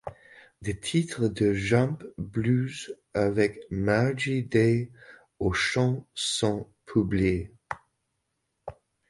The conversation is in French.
Des titres de jump blues avec Margie Day au chant sont publiés.